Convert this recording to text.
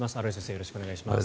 よろしくお願いします。